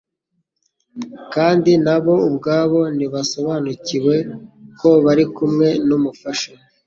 kandi nabo ubwabo ntibasobanukirwe ko bari kumwe n'umufasha,